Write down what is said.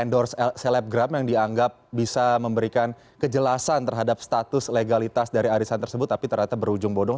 endorse selebgram yang dianggap bisa memberikan kejelasan terhadap status legalitas dari arisan tersebut tapi ternyata berujung bodong